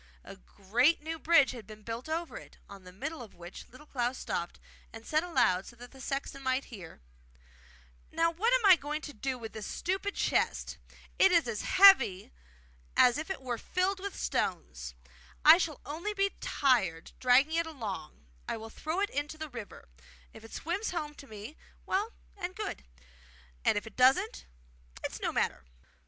A great new bridge had been built over it, on the middle of which Little Klaus stopped, and said aloud so that the sexton might hear: 'Now, what am I to do with this stupid chest? It is as heavy as if it were filled with stones! I shall only be tired, dragging it along; I will throw it into the river. If it swims home to me, well and good; and if it doesn't, it's no matter.